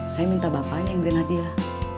saya minta bapaknya yang beri hadiah